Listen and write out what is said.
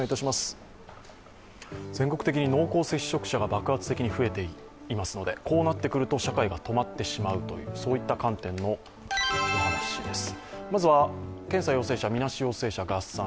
全国的に濃厚接触者が爆発的に増えていますので、こうなってくると社会が止まってしまうという、そういった観点のお話です。